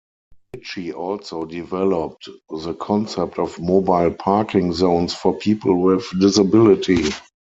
Ritchie also developed the concept of mobile parking zones for people with disability.